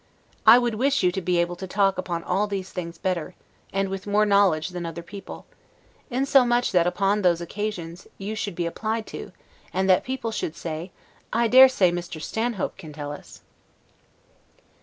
I would wish you to be able to talk upon all these things better, and with more knowledge than other people; insomuch that upon those occasions, you should be applied to, and that people should say, I DARE SAY MR. STANHOPE CAN TELL US.